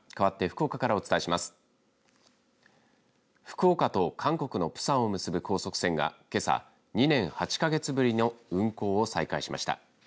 福岡と韓国のプサンを結ぶ高速船がけさ、２年８か月ぶりの運航を再開しました。